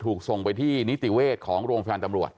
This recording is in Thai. ถูกส่งไปที่นิติเวชของโรงพยาบาลตำรวจ